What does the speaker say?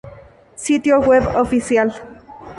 Sitio Web oficial